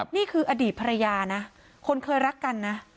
นี่คืออดีตภรรยานะคนเคยรักกันนะ